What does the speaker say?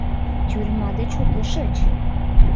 — Тюрьма деч утлышыч!